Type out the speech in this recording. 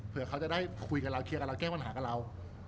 เพื่อเขาจะได้คุยกับเราเคลียร์กับเราแก้ปัญหากับเรา